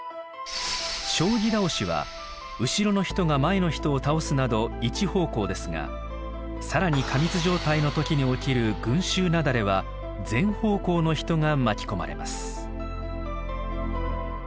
将棋倒しは後ろの人が前の人を倒すなど一方向ですが更に過密状態の時に起きる群衆雪崩は全方向の人が巻き込まれます。